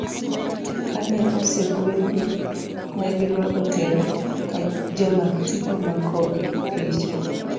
Kane osegwedhgi, negi rwako tere ka jamak tipo makogi gi picha.